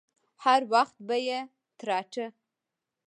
هر وخت به يې تراټه.